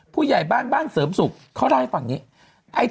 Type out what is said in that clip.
ผู้ใหญ่บ้านบ้านเสริมสุขเขาได้ฝั่งนี่